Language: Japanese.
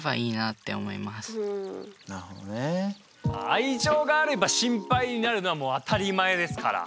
愛情があれば心配になるのはもう当たり前ですから。